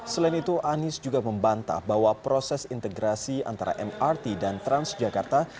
selain itu anies juga membantah bahwa proses integrasi antara mrt dan transjakarta